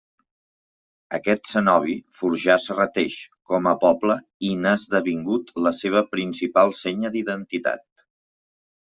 Aquest cenobi forjà Serrateix com a poble i n'ha esdevingut la seva principal senya d'identitat.